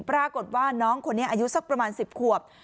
ปรากฏว่าน้องคนนี้อายุสักประมาณ๑๐ขวบ